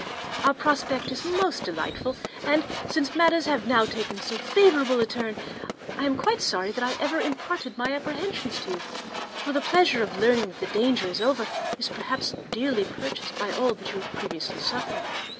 Our prospect is most delightful, and since matters have now taken so favourable a turn, I am quite sorry that I ever imparted my apprehensions to you; for the pleasure of learning that the danger is over is perhaps dearly purchased by all that you have previously suffered.